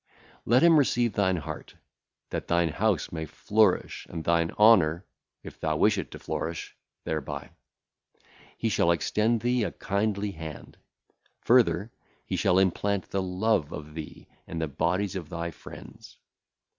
Let him receive thine heart, that thine house may flourish and thine honour if thou wish it to flourish thereby. He shall extend thee a kindly hand. Further, he shall implant the love of thee in the bodies of thy friends.